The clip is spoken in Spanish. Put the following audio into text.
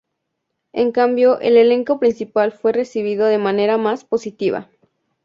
En cambio el elenco principal fue recibido de manera más positiva.